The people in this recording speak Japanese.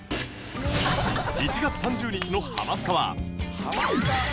１月３０日の『ハマスカ』は